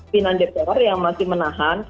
binan deperor yang masih menahan